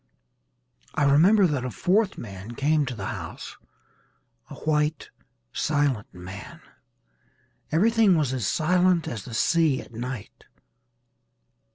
I remember that a fourth man came to the house, a white silent man. Everything was as silent as the sea at night.